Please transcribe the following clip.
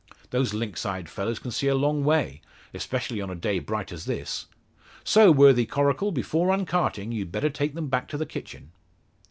Those lynx eyed fellows can see a long way, especially on a day bright as this. So, worthy Coracle, before uncarting, you'd better take them back to the kitchen."